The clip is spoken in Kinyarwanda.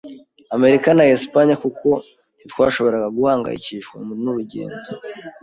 Amerika ya Espagne, kuko ntitwashoboraga guhangayikishwa nurugendo